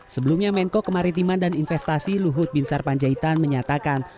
sebelumnya menko kemaritiman dan investasi luhut binsar panjaitan menyatakan